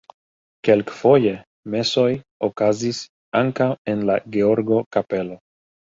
Kelkfoje mesoj okazis ankaŭ en la Georgo-kapelo.